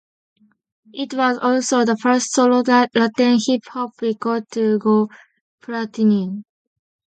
It was also the first solo Latin hip hop record to go Platinum.